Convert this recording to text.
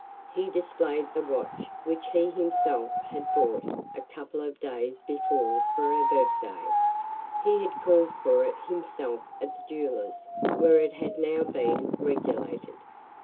He displayed the watch which he himself had bought a couple of days before for her birthday. He had called for it himself at the jeweller's where it had now been regulated.